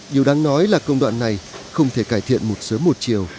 điều đáng nói là công đoạn này không thể cải thiện một sớm một chiều